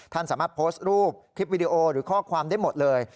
ท่านสามารถโพสต์รูปคลิปวิดีโอหรือข้อความได้หมดเลย